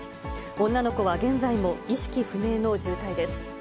女の子は現在も意識不明の重体です。